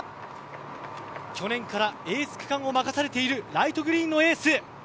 去年からエース区間を任されているライトグリーンのエース。